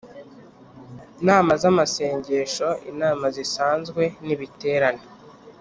Nama z amasengesho inama zisanzwe n ibiterane